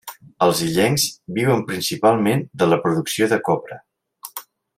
Els illencs viuen principalment de la producció de copra.